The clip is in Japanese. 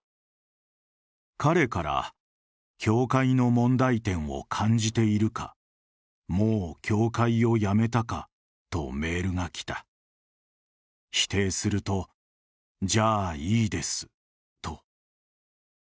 彼から教会の問題点を感じているか、もう教会を辞めたかとメールが来た、否定すると「じゃあいいです」と。